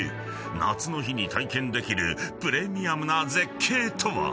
［夏の日に体験できるプレミアムな絶景とは？］